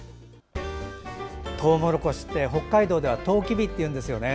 トウモロコシって北海道ではとうきびっていうんですよね。